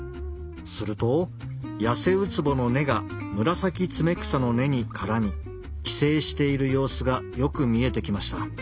するとヤセウツボの根がムラサキツメクサの根に絡み寄生している様子がよく見えてきました。